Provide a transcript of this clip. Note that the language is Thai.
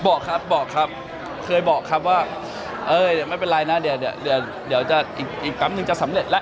บอกครับบอกครับเคยบอกครับว่าเออไม่เป็นไรนะเดี๋ยวเดี๋ยวเดี๋ยวจะอีกอีกกลั้มนึงจะสำเร็จแล้ว